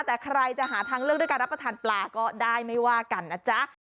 แต่ใครจะหาทางเลือกด้วยการรับประทานปลาก็ได้ไม่ว่ากันนะจ๊ะ